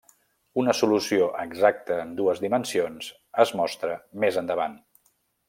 Una solució exacta en dues dimensions es mostra més endavant.